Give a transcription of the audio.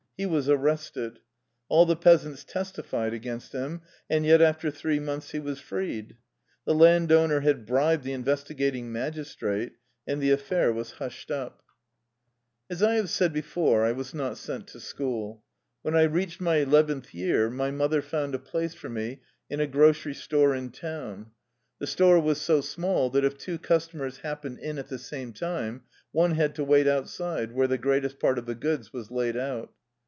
He was ar rested. All the peasants testified against him. And yet after three months he was freed. The landowner had bribed the investigating magis trate, and the affair was hushed up. 2 Young gentleman. 18 THE LIFE STORY OF A RUSSIAN EXILE As I have said before, I was not sent to school. When I reached my eleventh year, my mother found a place for me in a grocery store in town. The store was so small that if two customers happened in at the same time one had to wait outside, where the greatest part of the goods was laid out.